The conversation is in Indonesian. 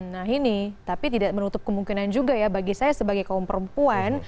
nah ini tapi tidak menutup kemungkinan juga ya bagi saya sebagai kaum perempuan